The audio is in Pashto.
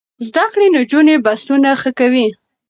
زده کړې نجونې بحثونه ښه کوي.